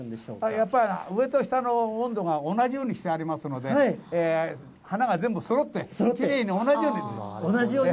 やっぱり上と下の温度が同じようにしてありますので、花が全部そろって、きれいに同じように。